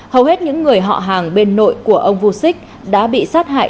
hầu hết những người họ hàng bên nội của ông vucic đã bị sát hại